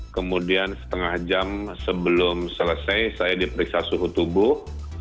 kemudian setengah jam sebelum selesai saya diperiksa suhu tubuh